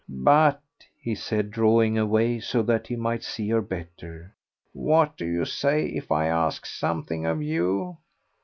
But," he said, drawing away so that he might see her better, "what do you say if I ask something of you?"